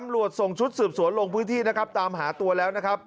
ส่งชุดสืบสวนลงพื้นที่นะครับตามหาตัวแล้วนะครับ